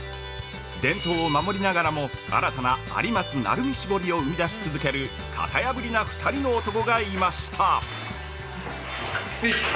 伝統を守りながらも新たな「有松・鳴海絞り」を生み出し続ける型破りな２人の男がいました。